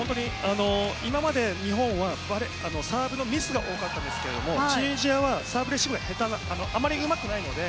今まで日本はサーブのミスが多かったですがチュニジアはサーブレシーブがあまりうまくないので。